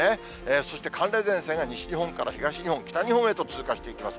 そして、寒冷前線が西日本から東日本、北日本へと通過していきます。